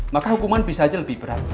maka hukuman bisa aja lebih berat